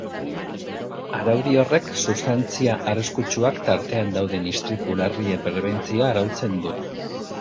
Araudi horrek substantzia arriskutsuak tartean dauden istripu larrien prebentzioa arautzen du.